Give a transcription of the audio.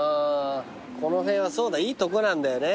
この辺はそうだいいとこなんだよね。